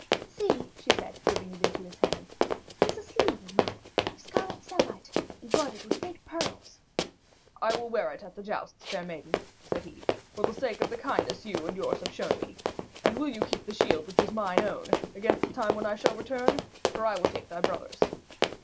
'See,' she said, giving it into his hand, 'it is a sleeve of mine, of scarlet samite, embroidered with great pearls.' 'I will wear it at the jousts, fair maiden,' said he, 'for the sake of the kindness you and yours have shown me. And will you keep the shield which is mine own against the time when I shall return? For I will take thy brother's.'